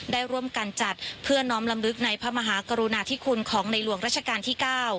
ได้ร่วมกันจัดเพื่อน้อมลำลึกในพระมหากรุณาธิคุณของในหลวงราชการที่๙